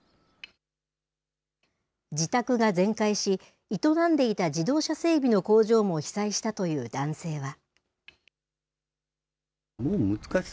自宅が全壊し、営んでいた自動車整備の工場も被災したという男性は。